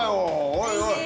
おいおい。